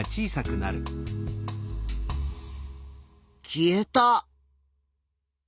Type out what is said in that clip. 消えた。